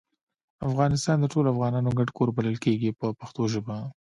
افغانستان د ټولو افغانانو ګډ کور بلل کیږي په پښتو ژبه.